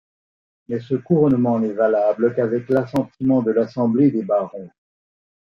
Mais ce couronnement n’est valable qu’avec l’assentiment de l’assemblée des barons.